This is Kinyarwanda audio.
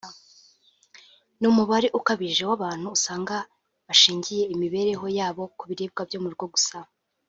n’umubare ukabije w’abantu usanga bashingiye imibereho yabo ku biribwa byo mu rugo gusa